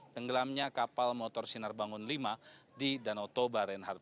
tenggelamnya kapal motor sinar bangun v di danau toba reinhardt